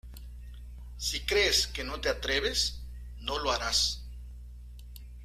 Si crees que no te atreves, no lo harás".